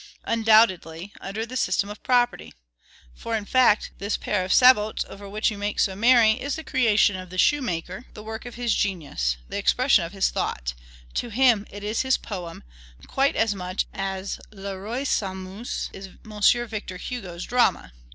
Undoubtedly, under the system of property. For, in fact, this pair of sabots, over which you make so merry, is the creation of the shoemaker, the work of his genius, the expression of his thought; to him it is his poem, quite as much as "Le Roi s'amuse," is M. Victor Hugo's drama.